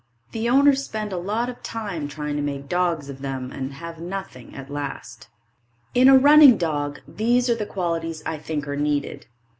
The owners spend a lot of time trying to make dogs of them and have nothing at last. In a running dog these are the qualities I think are needed.